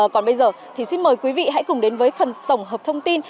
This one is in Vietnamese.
còn bây giờ thì xin mời quý vị hãy cùng đến với phần tổng hợp thông tin